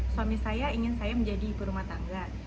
suami saya ingin saya menjadi ibu rumah tangga